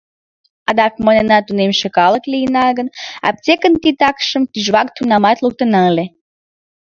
Адак манына, тунемше калык лийына гын, аптекын титакшым тӱжвак тунамак луктына ыле.